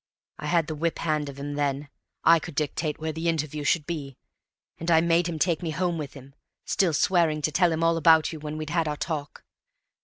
I had the whip hand of him then. I could dictate where the interview should be, and I made him take me home with him, still swearing to tell him all about you when we'd had our talk.